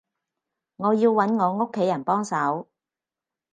我要揾我屋企人幫手